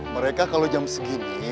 mereka kalau jam segini